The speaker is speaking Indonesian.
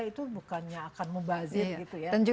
itu bukannya akan membazir